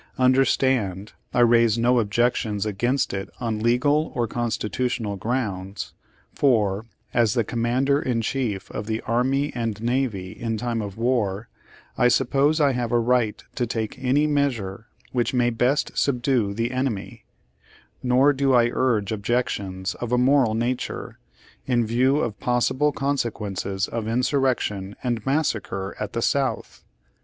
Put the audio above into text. Understand, I raise no objections against it on legal or constitutional grounds; for, as Commander in Chief of the army and navy in time of war, I suppose I have a right to take any measure which may best subdue the enemy; nor do I urge objections of a moral nature, in view of possible consequences of insurrection and mas sacre at the South.